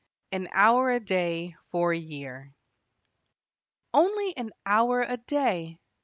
AN HOUR A DAY FOR A YEAR "Only an hour a day!"